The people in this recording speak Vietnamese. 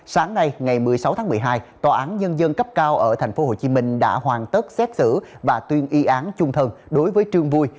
sáng nay ngày một mươi sáu tháng một mươi hai tòa án nhân dân cấp cao ở tp hcm đã hoàn tất xét xử và tuyên y án chung thân đối với trương vui